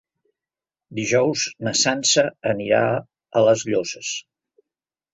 Dijous na Sança anirà a les Llosses.